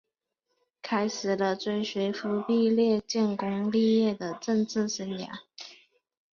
开始了追随忽必烈建功立业的政治生涯。